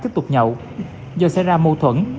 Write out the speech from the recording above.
tiếp tục nhậu do xảy ra mâu thuẫn